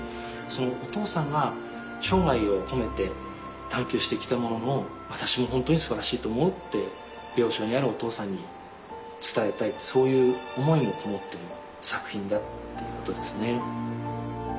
そのお父さんが生涯を込めて探求してきたものの私も本当にすばらしいと思うって病床にあるお父さんに伝えたいってそういう思いもこもっている作品だっていうことですね。